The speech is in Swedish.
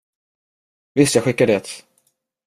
Visst, jag skickar det.